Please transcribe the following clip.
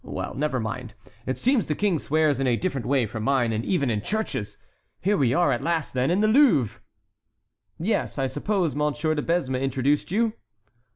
Well, never mind; it seems the King swears in a different way from mine, and even in churches. Here we are at last, then, in the Louvre!" "Yes; I suppose Monsieur de Besme introduced you?"